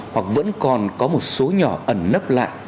hoặc vẫn còn có một số nhỏ ẩn nấp lại